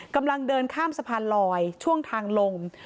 กำลังเดินข้ามสะพานลอยช่วงทางลง